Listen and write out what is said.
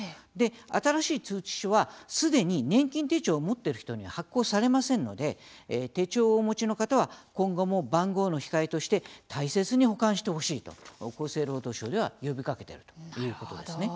新しい通知書は、すでに年金手帳を持っている人には発行されませんので手帳をお持ちの方は今後も、番号の控えとして大切に保管してほしいと厚生労働省では呼びかけているということですね。